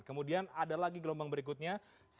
kemudian ada lagi gelombang berikutnya